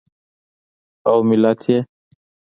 او ملت یې